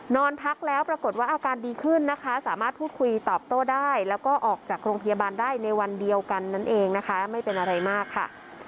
นอนพักแล้วปรากฏว่าอาการดีขึ้นนะคะสามารถพูดคุยตอบโต้ได้แล้วก็ออกจากโรงพยาบาลได้ในวันเดียวกันนั่นเองนะคะไม่เป็นอะไรมากค่ะ